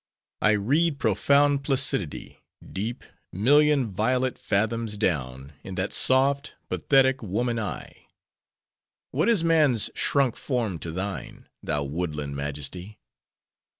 I read profound placidity—deep—million— violet fathoms down, in that soft, pathetic, woman eye! What is man's shrunk form to thine, thou woodland majesty?